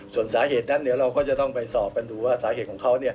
ส่วนสาเหตุนั้นเดี๋ยวเราก็จะต้องไปสอบกันดูว่าสาเหตุของเขา